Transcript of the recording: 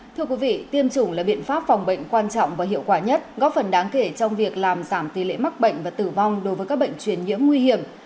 thưa quý vị tiêm chủng là biện pháp phòng bệnh quan trọng và hiệu quả nhất góp phần đáng kể trong việc làm giảm tỷ lệ mắc bệnh và tử vong đối với các bệnh truyền nhiễm nguy hiểm